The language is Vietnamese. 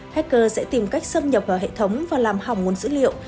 hacker sẽ tìm cách xâm nhập vào hệ thống và làm hỏng nguồn dữ liệu